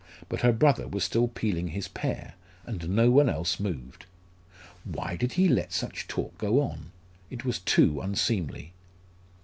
But her brother was still peeling his pear, and no one else moved. Why did he let such talk go on? It was too unseemly.